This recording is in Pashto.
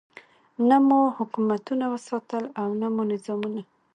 نه مو حکومتونه وساتل او نه مو نظامونه.